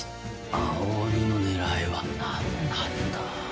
青鬼のねらいは何なんだ？